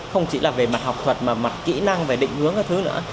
không chỉ là về mặt học thuật mà mặt kỹ năng về định hướng các thứ nữa